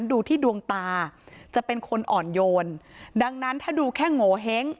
ดูที่ดวงตาจะเป็นคนอ่อนโยนดังนั้นถ้าดูแค่โงเห้ง